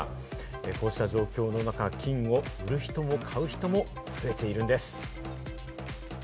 こうした状況の中、金を売る人も買う人も増えているんです。